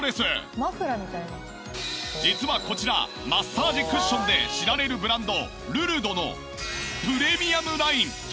実はこちらマッサージクッションで知られるブランドルルドのプレミアムライントールが開発！